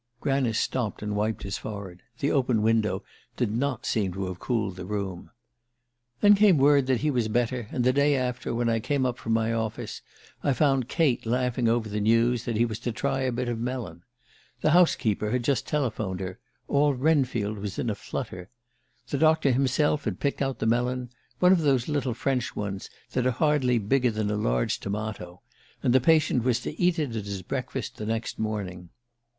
Granice stopped and wiped his forehead: the open window did not seem to have cooled the room. "Then came word that he was better; and the day after, when I came up from my office, I found Kate laughing over the news that he was to try a bit of melon. The house keeper had just telephoned her all Wrenfield was in a flutter. The doctor himself had picked out the melon, one of the little French ones that are hardly bigger than a large tomato and the patient was to eat it at his breakfast the next morning.